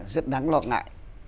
rất đáng lo ngại